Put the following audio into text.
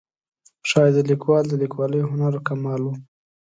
ښایي د لیکوال د لیکوالۍ هنر و کمال و.